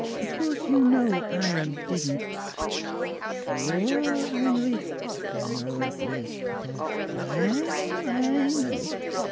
... Of course you know I didn't "" Sure, Heinrich: no blace to talk. I know I know